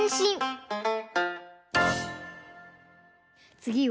つぎは。